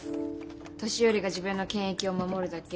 年寄りが自分の権益を守るだけ。